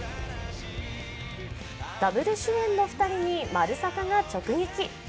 ダブル主演の２人に「まるサタ」が直撃。